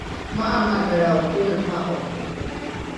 ma’amadhelrao kone va’oro